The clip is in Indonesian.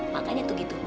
makanya tuh gitu